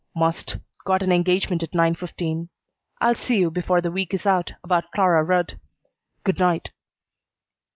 "Must. Got an engagement at nine fifteen. I'll see you before the week is out about Clara Rudd. Good night."